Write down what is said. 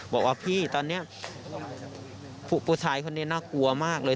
บอกว่าพี่ตอนนี้ผู้ชายคนนี้น่ากลัวมากเลย